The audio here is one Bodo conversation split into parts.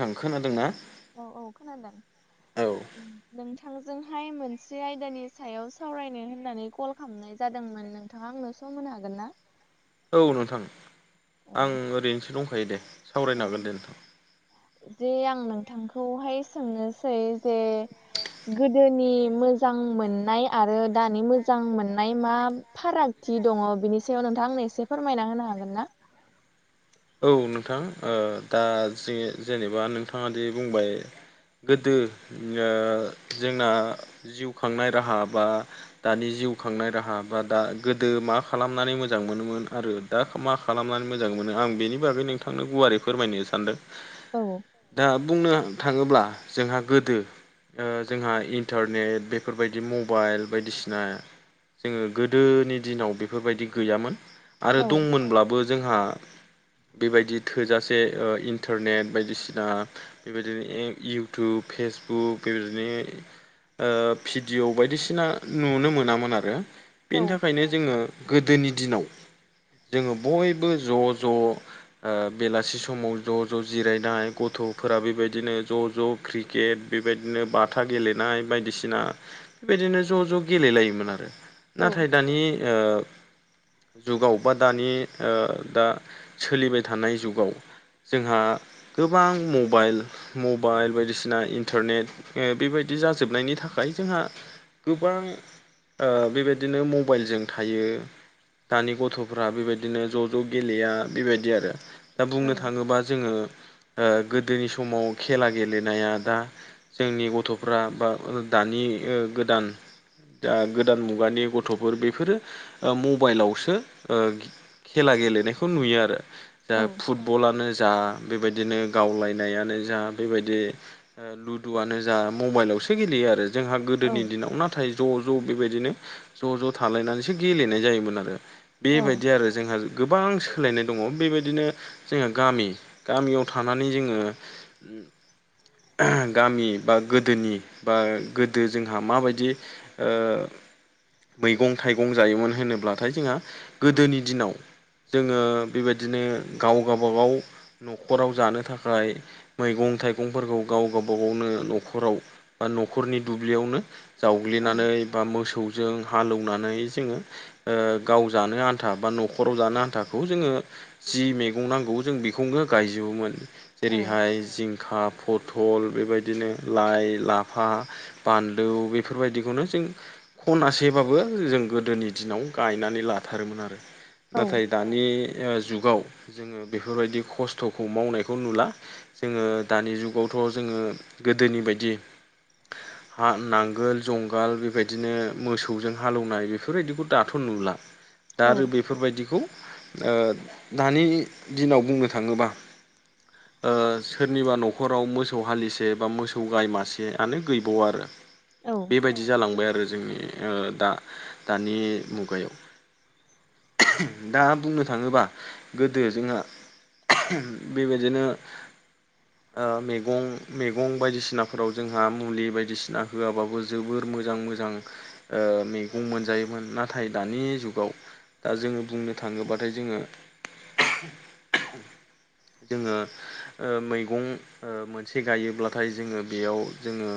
थां खोनादोंना? औ औ खोनादों नोंथांजोंहाय मोनसे आयदानि सायाव सावरायनो होननानै कल खालामनाय जादोंमोन नों नोंथाङा आंनो सम होनो हागोन ना? औ नोंथां आं ओरैनोसो दंखायो दे सावरायनो हागोन दे नोंथां जे आं नोंथांखौहाय सोंनोसै जे गोदोनि मोजां मोननाय आरो दानि मोजां मोननाय मा फारागथि दङ बिनि सायाव नोंथां आंनो एसे फोरमायना होनो हागोन ना? औ नोंथां ओ दा जे जेनेबा नोंथाङादि बुंबाय गोदो ओ जोंना जिउ खांनाय राहा बा दानि जिउ खांनाय राहा बा दा गोदो मा खालामनानै मोजां मोनोमोन। आरो दा मा खालामनानै मोजां मोनो आं बेनि बागै नोंथांनो गुवारै फोरमायनो सानदों दा बुंनो थाङोब्ला जोंहा गोदो ओ जोंहा इन्टारनेट बेफोर बायदि मबाइल बायदिसिना जोङो गोदोनि दिनाव बेफोरबायदि गैयामोन। आरो दंमोनब्लाबो जोंहा बेबायदि थोजासे ओ इन्टारनेट बायदिसिना बेबायदिनो ए इउटुब फेसबुक बेबायदिनो ओ पिडिअ' बायदिसिना नुनो मोनामोन आरो। बेनि थाखायनो जोङो गोदोनि दिनाव जोङो बयबो ज' ज' ओ बेलासि समाव ज' ज' जिरायनाय गथ'फोरा बेबायदिनो ज' ज' क्रिकेट बेबायदिनो बाथा गेलेनाय बायदिसिना बेबायदिनो ज' ज' गेलेलायोमोन आरो नाथाय ओ दानि जुगाव बा दानि ओ दा सोलिबाय थानाय जुगाव जोंहा गोबां मबाइल मबाइल बायदिसिना इन्टारनेट बेबायदि जाजोबनायनि थाखाय जोंहा गोबां ओ बेबायदिनो मबाइलजों थायो दानि गथ'फ्रा बेबायदिनो ज' ज' गेलेया बेबायदि आरो दा बुंनो थाङोबा जोङो ओ गोदोनि समाव खेला गेलेनाया दा जोंनि गथ'फ्रा बा दानि गोदान दा गोदान मुगानि गथ'फोर बेफोरो ओ मबाइलावसो खेला गेलेनायखौ नुयो आरो जाह फुट बलानो जा बेबायदिनो गावलायनायानो जा बेबायदि ओ लुदुआनो जा मबाइलावसो गेलेयो आरो जोंहा गोदोनि दिनाव ना थाय ज' ज' बेबायदिनो ज' ज' थालायनानैसो गेलेनाय जायोमोन आरो बेबायदि आरो जोंहा गोबां सोलायनाय दङ बेबायदिनो जोङहा गामि गामियाव थानानै जोङो गामि बा गोदोनि बा गोदो जोंहा माबायदि ओ मैगं थाइगं जायोमोन होनोब्लाथाय जोंहा गोदोनि दिनाव जोङो बेबायदिनो गाव गबागाव न'खराव जानो थाखाय मैगं थाइगंफोरखौ गाव गावब गावनो न'खराव बा न'खरनि दुब्लियावनो जावग्लिनानै बा मोसौजों हालेवनानै जोङो ओ गाव जानो आन्था बा न'खराव जानो आथाखौ जोङो जि मैगं नांगौ जों बेखौनो गायजोबोमोन जेरैहाय जिंखा फट पथल बेबायदिनो लाइ लाफा बानलौ बेफोरबायदिखौनो जों खनासेबाबो जों गोदोनि दिनाव गायनानै लाथारोमोन आरो नाथाय दानि जुगाव जोङो बेफोरबायदि खस्थ'खौ मावनायखौ नुला जोङो दानि जुगावथ' जोङो गोदोनि बायदि हा नांगोल जुंगाल बेबायदिनो मोसौजों हालौवनाय बेफोरबायदिखौ दाथ' नुला दा आरो बेफोरबायदिखौ दानि दिनाव बुंनो थाङोबा सोरनिबा न'ख न'खराव मोसौ हालिसे बा मोसौ गाय मासेआनो गैबावा आरो। बेबायदि जालांबाय आरो जोंनि दा दानि मुगायाव दा बुंनो थाङोबा गोदो जोंहा बेबायदिनो मैगं मैगं बायदिसिनाफोराव जोंहा मुलि बायदिसिना होआबाबो जोबोर मोजां मोजां मैगं मोनजायोमोन नाथाय दानि जुगाव दा जोङो बुंनो थाङोब्लाथाय जोङो जोङो ओ मैगं ओ मोनसे गायोब्लाथाय जोङो बेयाव जोङो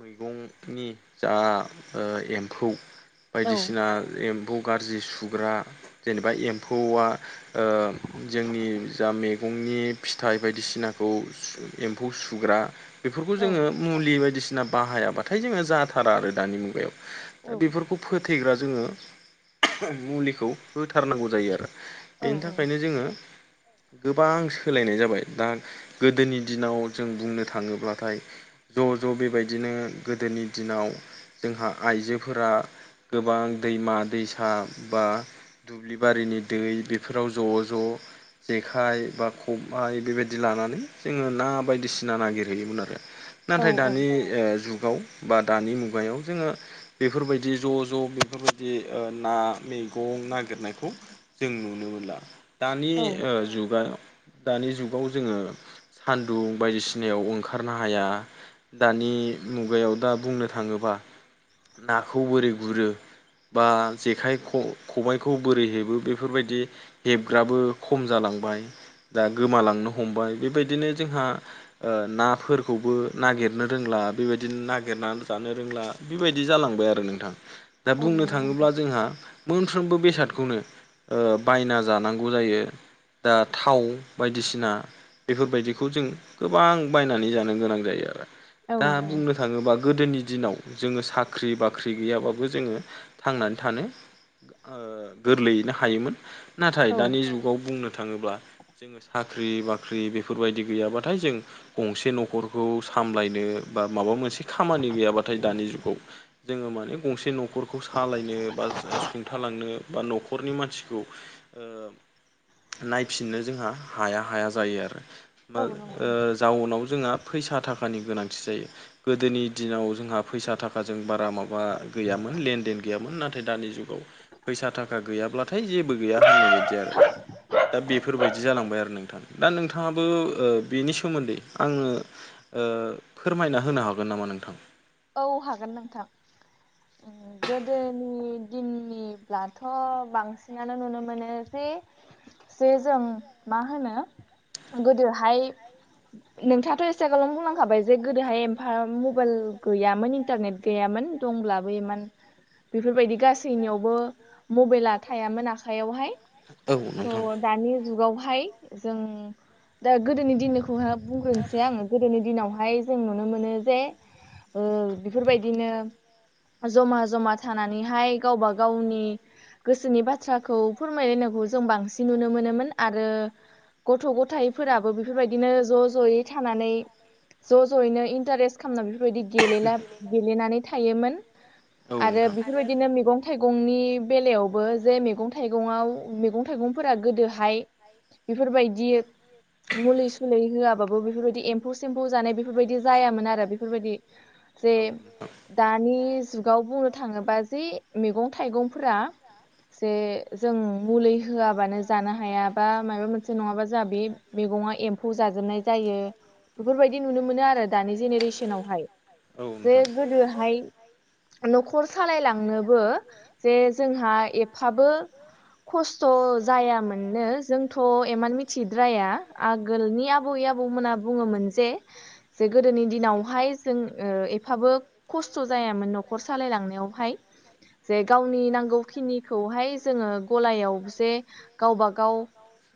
मैगंनि जा एम्फौ बायदिसिना एम्फौ गाज्रि सुग्रा जेनेबा एम्फौआ ओ जोंनि जा मैगंनि फिथाइ बायदिसिना फौ सुग्रा बेफोरखौ जोङो मुलि बायदिसिना बाहायाबाथाय जोङो जाथारा आरो दानि मुगायाव दा बे बेखौ फोथेग्रा जोङो मुलिखौ होथारनांगौ जायो आरो बेनि थाखायनो जोङो गोबां सोलायनाय जाबाय दा गोदोनि दिनाव जों बुंनो थाङोब्लाथाय ज' ज' बेबायदिनो गोदोनि दिनाव जोंहा आइजोफोरा गोबां दैमा दैसा बा दुब्लि बारिनि दै बेफोराव ज' ज' जेखाइ बा खाबाइ बेबायदि ला जोङो ना बायदिसिना नागिरहैयोमोन आरो नाथाय दानि जुगाव बा दानि मुगायाव जोङो बेफोरबायदि ज' ज' बेफोरबायदि ना मैगं नागिरनायखौ जों नुनो मोनला दानि जुगा दानि जुगाव जोङो सान्दुं बायदिसिनायाव ओंखारनो हाया दानि मुगायाव दा बुंनो थाङोबा नाखौ बोरै गुरो बा जेखाइ खबाइखौ बोरै हेबो बेफोरबायदि हेबग्राबो खम जालांबाय दा गोमालांनो हमबाय बेबायदिनो जोंहा नाफोरखौबो नागिरनो रोंला बेबायदिनो नागिरना जानो रोंला बेबायदि जालांबाय आरो नोंथां दा बुंनो थाङोब्ला जोंहा मोनफ्रोमबो बेसादखौनो बायना जानांगौ जायो। दा थाव बायदिसिना बेफोरबायदिखौ जों गोबां बायनानै जानो गोनां जायो आरो दा बुंनो थाङोबा गोदोनि दिनाव जोङो साख्रि बाख्रि गैयाब्लाो जोङो थांनानै थानो गोरलैयैनो हायोमोन नाथाय दानि जुगाव बुंनो थाङोब्ला जोङो साख्रि बाख्रि बेफोरबायदि गैयाबाथाय जों गंसे न'खरखौ सामलायनो बा माबा मोनसे खामानि गैयाबाथाय दानि जुगाव जोङो माने गंसे न'खरखौ सालायनो बा सुंथालांनो बा न'खरनि मानसिखौ नायफिननो जोंहा हाया हाया जायो आरो। मा जाउनाव जोंहा फैसा थाखानि गोनांथि जायो। गोदोनि दिनाव जोंहा फैसा थाखाजों बारा माबा गैयामोन लेनदेन गैयामोन नाथाय दानि जुगाव फैसा थाखा गैयाब्लाथाय जेबो गैया होननाय बायदि आरो। दा बेफोरबायदि जालांबाय आरो नोंथां दा नोंथाङा बो ओ बिनि सोमोन्दै आङनो फोरमायना होनो हागोन नामा नोंथां? औ हागोन नोंथां। गोदोनि दिननिब्लाथ' बांसिन [unintelligible] नुनो मोनोसै जे जों मा होनो गोदोहाय नोंथाङाथ' एसे गोलाव बुंलांखाबाय जे गोदोहाय एमफा मबाइल गैयामोन इन्टारनेट गैयामोन दंब्लाबो इमान बेफोरबायदि गासैनियावबो मबाइला थायामोन आखाइयावहाय औ नोंथां? दानि जुगावहाय जों दा गोदोनि दिननिखौहाय बुंग्रोनोसै आङो गोदोनि दिनावहाय जों नुनो मोनो जे बेफोरबायदिनो जमा जमा थानानैहाय गावबा गावनि गोसोनि बाथ्राखौ फोरमायलायनायखौ जों बांसिन नुनो मोनोमोन आरो गथ' गथायाइफोराबो बेफोरबायदिनो ज' ज'यै थानानै ज' ज'यैनो इन्टारेस खामना गेलेला गेलेनानै थायोमोन आरो बेफोरबायदिनो मैगं थाइगंनि बेलायावबो जे मैगं थाइगंआव मैगं थाइगंफोरा गोदोहाय बेफोरबायदि मुलि सुुलि होआबाबो बेफोरबायदि एम्फौ सेम्फौ जानाय बेफोरबायदि जायामोन आरो बेफोरबायदि जे दानि जुगाव बुंनो थाङोबा जे मैगं थाइगं फोर जे जों मुलि होआबानो जानो हायाबा माबा मोनसे नङाबा जोंहा बे मैगङा एम्फौ जाजोबनाय जायो बेफोरबायदि नुनो मोनो आरो दानि जेनेरेसनावहाय जे गोदोहाय न'खर सालायलांनोबो जे जोंहा ए फाबो खस्थ' जायामोननो जोंथ' एमान मिथिद्राया आगोलनि आबै आबौमोना बुङोमोन जे जे गोदोनि दिनावहाय जों ओ एफाबो खस्थ' जायामोन न'खर सालायलांनायावहाय जे गावनि नांगौखिनिखौहाय जोङो गलायाव जे गावबा गाव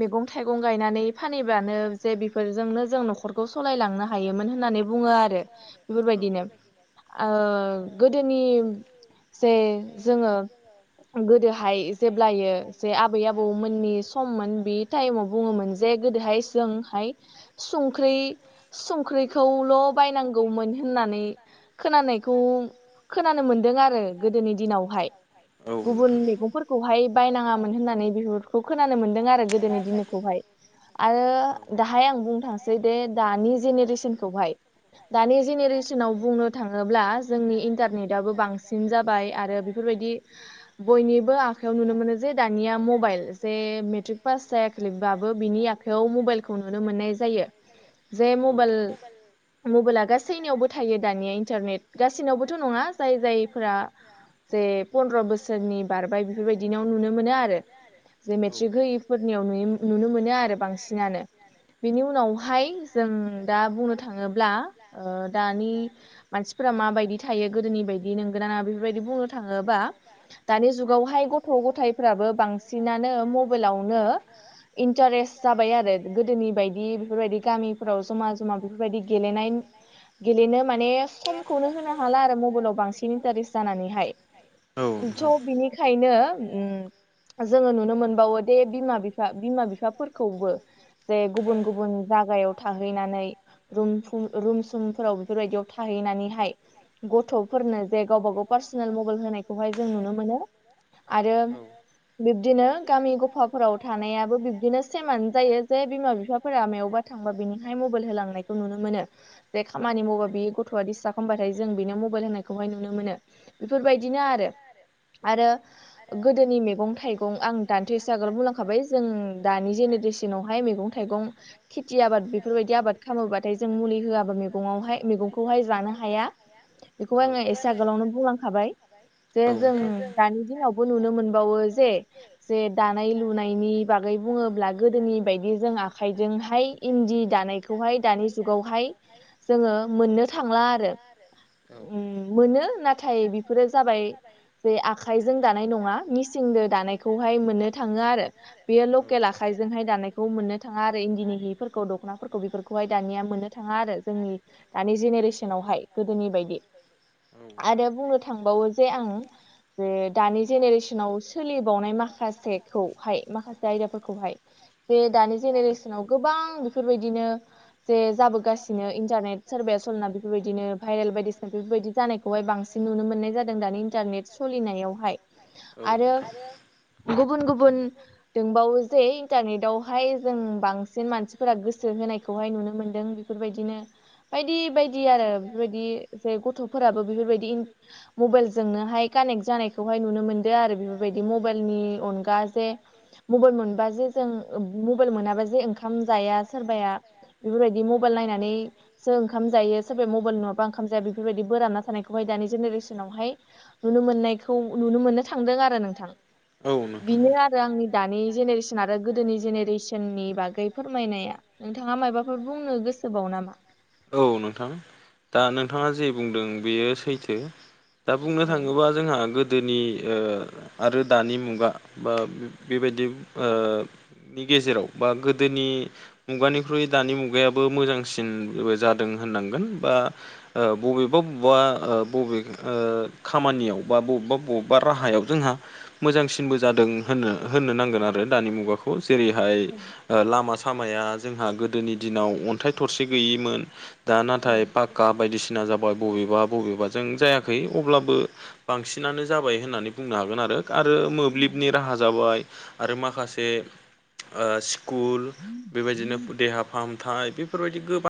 मैगं थाइगं गायनानै फानहैब्लानो जे बेफोरजोंनो जों न'खरखौ सालायलांनो हा हायोमोन होननानै बुङो आरो बेफोरबायदिनो ओ गोदोनि जे जोङो औ [unintelligible] गोदोहाय जेब्लायो जे आबै आबौमोननि सममोन बे टाइमाव बुङोमोन जे गोदोहाय जोंहाय संख्रि संख्रिखौल' बायनांगौमोन। होननानै खोनानायखौ खोनानो मोनदों आरो गोदोनि दिनावहाय गुबुन मैगंफोरखौहाय बायनाङामोन होननानै बेफोरखौ खोनानो मोनदों आरो गोदोनि दिनखौहाय आरो दाहाय आं बुंनो थांसै दि दानि जेनेरेसनखौहाय दानि जेनेरेसनाव बुंनो थाङोब्ला जोंनि इन्टारनेटआबो बांसिन जाबाय आ आरो बेफोरबायदि बयनिबो आखायाव नुनो मोनो जे दानिया मबाइल जे मेट्रिक पास जायाखैबाबो बिनि आखाइयाव मबाइलखौ नुनो मोननाय जायो जे मबाइल मबाइला गासैनियावबो थायो दानिया इन्टारनेट गासैनावबोथ' नङा जाय जायफोरा जे फन्द्र' बोसोरनि बारबाय बेफोरबायदिनाव नुनो मोनो आरो जे मेट्रिक होयिफोरनियाव नु नुनो मोनो आरो बांसिनानो बेनि उनावहाय जों दा बुंनो थाङोब्ला ओ दानि मानसिफोरा माबायदि थायो गोदोनि बायदि नंगोना ना बेफोरबायदि बुंनो थाङोबा जबा [unintelligible] दानि जुगावहाय गथ' गथायाइफ्राबो बांसिनानो मबाइलावनो इन्टारेस्ट जाबाय आरो गोदोनि बायदि बेफोरबायदि गामिफोराव जमा जमा बेफोरबायदि गेलेनाय गेलेनो माने समखौनो होनो हाला आरो मबाइलाव बांसिन इन्टारेस्ट जानानैहाय स' बिनिखायनो उम जोङो नुनो मोनबावो दे बिमा बिफा बिमा बिफाफोरखौबो जे गुबुन गुबुन जागायाव थाहैनानै रुम फुं रुमसुमफोराव बेफोरबायदियाव थाहैनानैहाय गथ'फोरनो जे गावबा गाव पार्सनेल मबाइल होनायखौहाय जों नुनो मोनो आरो बिब्दिनो गामि गफाफोराव थानायाबो बिब्दिनो सेमानो जायो जे बिमा बिफाफोरा मायावबा थांबा बिनिहाय मबाइल होलांनायखौ नुनो मोनो। जे खामानि मावबा बे गथ'आ दिसटाब खालामबायथाय जों बेनो मबाइल होनायखौहाय नुनो मोनो। बेफोरबायदिनो आरो। आरो गोदोनि मैगं थाइगं आं दाथ' एसे आगोलाव बुंलांखाबाय जों दानि जेनेरेस [unintelligible] आवहाय मैगं थाइगं खेथि आबाद बेफोरबादि आबाद खामोबाथाय जों मुलि होआ गाबोन मैगंआवहाय मैगंखौहाय जानो हाया बेखौ आङो एसे आगोलावनो बुंलांखाबाय। थाबाय जे जों दानि दिनावबो नुनो मोनबावो जे जे दानाय लुनायनि बागै बुङोब्ला गोदोनि बायदि जों आखाइजोंहाय इन्दि दानायखौहाय दानि जुगावहाय जोङो मोननो थांला आरो उम मोनो नाथाय बेफोरो जाबाय जे आखाइजों दानाय नङा मिसिंजों दानायखौहाय मोननो थाङो आरो बेयो लकेल आखाइजोंहाय दानायखौ मोननो थाङा आरो इन्दिनि हिफोरखौ दख'नाफोरखौ बेफोरखौहाय दानिया मोननो थाङा थाङा आरो जोंनि दानि जेनेरेसनावहाय गोदोनि बायदि। आरो बुंनो थांबावो जे आं ओ दानि जेनेरेसनाव सोलिबावनाय माखासे खौहाय माखासे आयदाफोरखौहाय जे दानि जेनेरेसनाव गोबां बेफोरबायदिनो जे जाबोगासिनो इन्टारनेट सोरबाया सल'ना बेफोरबायदिनो भाइरेल बायदिसिना बेफोरबायदि जानाय खौहाय बांसिन नुनो मोननाय जादों दानि इन्टारनेट सोलिनायावहाय आरो गुबुन-गुबुन दंबावो जे इन्टारनेटावहाय जों बांसिन मानसि फोरा गोसो होनायखौहाय नुनो मोनदों बेफोरबायदिनो बायदि-बायदि आरो बेफोरबायदि जाय गथ' फोराबो बेफोरबायदि मबाइलजोंनोहाय कानेक जानायखौहाय नुनो मोनदो आरो बेफोर बायदि मबाइलनि अनगा जे मबाइल मोनबा जे जों मबाइल मोनाबा जे ओखाम जाया सोरबाया बेफोरबायदि मब मबाइल नायनानै सो ओंखाम जायो सोरबाया मबाइल नुङाबा ओंखाम जाया बेफोरबायदि बोरान ना थानायखौहाय दानि जेनेरेसनावहाय नुनो मोननायखौ नुनो मोननो थांदों आरो नोंथां। बेनो आरो आंनि दानि जेनेरेसन आरो गोदोनि जेनेरेसननि बागै फोरमायनाया। नोंथाङा मायबाफोर बुंनो गोसो सोबाव नामा? औ नोंथां दा नोंथाङा जे बुंदों बेयो सैथो। दा बुंनो थाङोबा जोंहा गोदोनि ओ आरो दानि मुगा बा बेबायदि ओ नि गेजेराव बा गोदोनि मुगानिख्रुइ दानि मुगायाबो मोजांसिनबो जादों होननांगोन बा ओ बबे बा-बबेबा बबे ओ खामानियाव बा बबेबा-बबेबा राहायाव जोंहा मोजांसिनबो जादों होनो होननो नांगोन आरो दानि मुगाख औ जेरैहाय लामा सामाया जोंहा गोदोनि दिनाव अन्थाइ थरसे गैयैमोन दा नाथाय पाक्का बायदिसिना जाब बाय बबेबा-बबेबा जों जायाखै अब्लाबो बांसिनानो जाबाय होननानै बुंनो हागोन आरो। आरो मोब्लिबनि राहा जाबाय आरो माखासे ओ स्कुल बेबायदिनो देहा फाहामथाय बेफोरबायदि गोबा